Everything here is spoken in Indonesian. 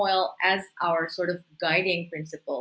sebagai prinsip yang mengawal